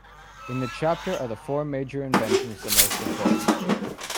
In the chapter Are the Four Major Inventions the Most Important?